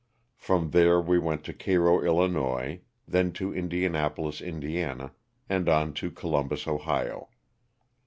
From there we went to Cairo, 111., then to Indianapolis, Ind., and on to Columbus, Ohio.